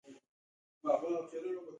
یوه شپه ډاکټر حشمت